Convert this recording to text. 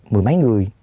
mười mấy người